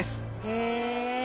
へえ。